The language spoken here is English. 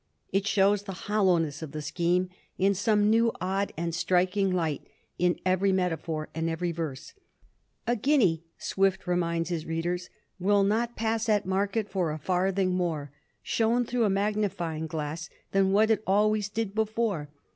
It shows the hollowness of the scheme in some new, odd, and striking light in every metaphor and every verse. * A guinea,' Swift reminds his readers, * wiU not pass at market for a farthing more, shown through a multiplying glass, than what it always did before.'